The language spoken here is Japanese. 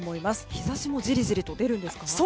日差しもじりじりと出るんですか。